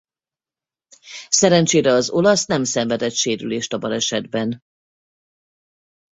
Szerencsére az olasz nem szenvedett sérülést a balesetben.